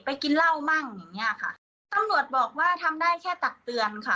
กินเหล้ามั่งอย่างเงี้ยค่ะตำรวจบอกว่าทำได้แค่ตักเตือนค่ะ